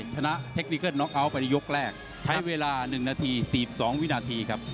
ชนะเทคนิกเกิ้ลน็อกอาว์ต์ไปในยกแรกใช้เวลาหนึ่งนาทีสี่สองวินาทีครับ